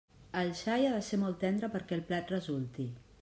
El xai ha de ser molt tendre perquè el plat resulti.